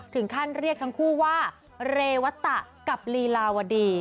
ถึงขั้นเรียกทั้งคู่ว่าเรวัตตะกับลีลาวดี